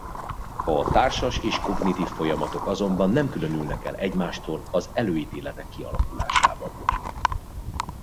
A társas és kognitív folyamatok azonban nem különülnek el egymástól az előítéletek kialakulásában.